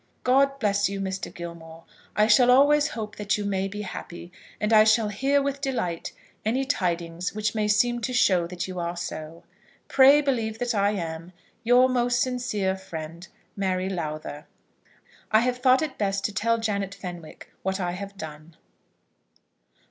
God bless you, Mr. Gilmore. I shall always hope that you may be happy, and I shall hear with delight any tidings which may seem to show that you are so. Pray believe that I am Your most sincere friend, MARY LOWTHER. I have thought it best to tell Janet Fenwick what I have done.